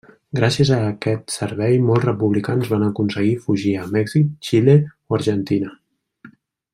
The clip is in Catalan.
Gràcies a aquest servei, molts republicans van aconseguir fugir a Mèxic, Xile o Argentina.